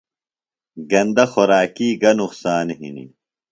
گندہ خوراکی گہ نقصان ہنیۡ؟